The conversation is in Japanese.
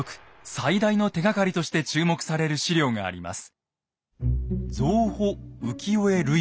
最大の手がかりとして注目される史料があります。